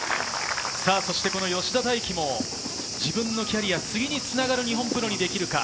そして吉田泰基も自分のキャリア、次につながる日本プロにできるか？